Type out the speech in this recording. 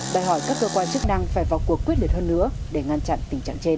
đòi hỏi các cơ quan chức năng phải vào cuộc quyết liệt hơn nữa để ngăn chặn tình trạng trên